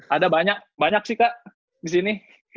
ada banyak banyak sih kak disini